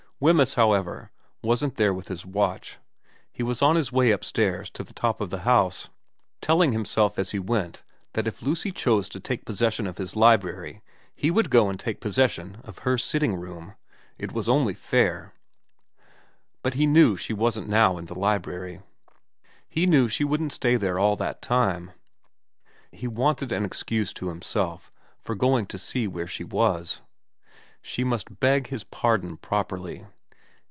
Wemyss, however, wasn't there with his watch. He was on his way upstairs to the top of the house, telling himself as he went that if Lucy chose to take possession of his library he would go and take possession of her sitting room. It was only fair. But he knew she wasn't now in the library. He knew she wouldn't stay there all that time. He wanted an excuse to himself for going to where she was. She must beg his pardon properly.